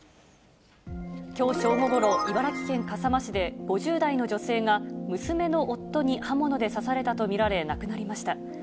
きょう正午ごろ、茨城県笠間市で５０代の女性が、娘の夫に刃物で刺されたと見られ、亡くなりました。